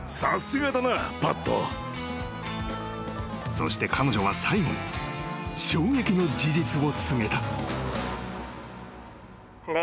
［そして彼女は最後に衝撃の事実を告げた］